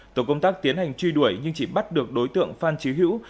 tổ công tác tiến hành truy đuổi nhưng chỉ bắt được đối tượng phan trí hữu